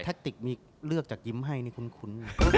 ทักติคมีเลือกจากยิ้มให้คุณ